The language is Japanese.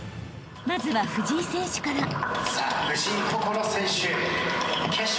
［まずは藤井選手から］